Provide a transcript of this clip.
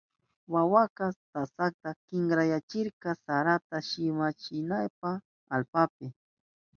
Wawaka tasata kinkrayachirka sarata shikwachinanpa allpapi.